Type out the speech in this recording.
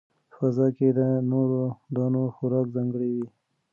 په فضا کې د فضانوردانو خوراک ځانګړی وي.